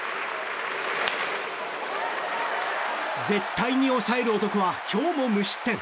絶対に抑える男は今日も無失点！